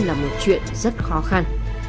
là một chuyện rất khó khăn